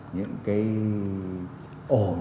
những cái ổn